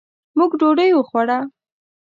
موږ ډوډۍ وخوړه.